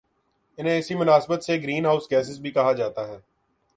انہیں اسی مناسبت سے گرین ہاؤس گیسیں بھی کہا جاتا ہے